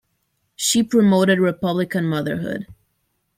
She promoted Republican motherhood.